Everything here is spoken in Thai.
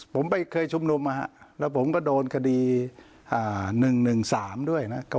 ผมไปเคยชุมนุมแล้วผมก็โดนคดี๑๑๓ด้วยนะ